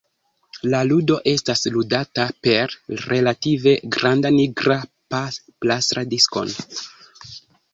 La ludo estas ludata per relative granda nigra plasta diskon.